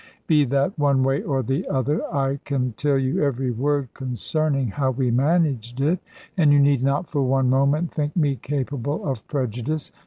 Be that one way or the other, I can tell you every word concerning how we managed it; and you need not for one moment think me capable of prejudice.